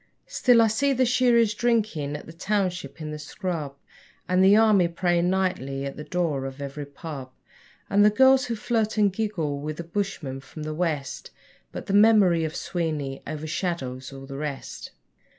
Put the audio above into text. Still I see the shearers drinking at the township in the scrub, And the army praying nightly at the door of every pub, And the girls who flirt and giggle with the bushmen from the west But the memory of Sweeney overshadows all the rest.